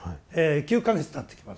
９か月たってきます。